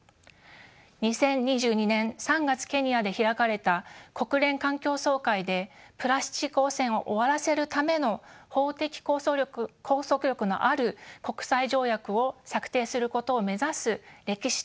２０２２年３月ケニアで開かれた国連環境総会でプラスチック汚染を終わらせるための法的拘束力のある国際条約を策定することを目指す歴史的な決議が採択されました。